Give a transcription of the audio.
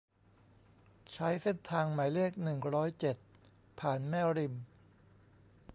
ใช้เส้นทางหมายเลข หนึ่งร้อยเจ็ด ผ่านแม่ริม